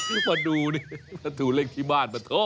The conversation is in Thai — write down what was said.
มาดูนี่มาดูเลขที่บ้านปะโถ